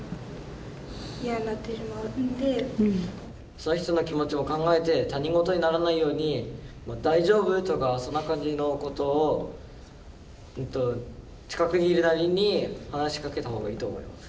その人の気持ちも考えて他人事にならないように「大丈夫？」とかそんな感じのことを近くにいるなりに話しかけたほうがいいと思います。